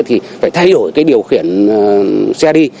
thì phải thay đổi cái điều khiển xe đi